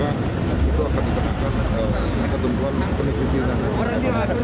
maka itu akan dikenakan ketumbuhan penyelenggaraan